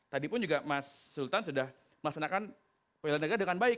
tadipun juga mas sultan sudah masanakan pilihan negara dengan baik